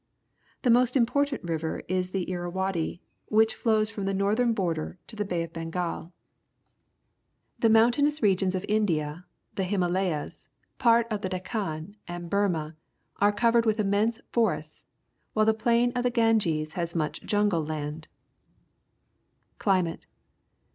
The most important river is the Inunnaddu, which flows from the northern border to the Bay of Bengal. INDIA 215 The mountainous regions of India, the Himalayas, part of the Deccan, and Burma, are covered with immense forests, while the plain of the Ganges has much jungle land. Bullock Cart used by the Natives, India Climate.